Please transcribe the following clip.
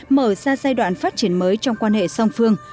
mở ra giai đoạn phát triển mới trong quan hệ song phương